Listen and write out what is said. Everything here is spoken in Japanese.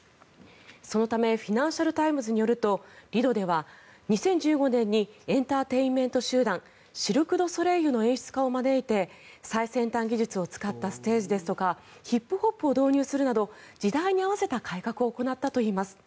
そのためフィナンシャル・タイムズによるとリドでは２０１５年にエンターテインメント集団シルク・ドゥ・ソレイユの演出家を招いて最先端技術を使ったステージですとかヒップホップを導入するなど時代に合わせた改革を行ったといいます。